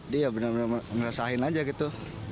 dia bener bener meresahin aja gitu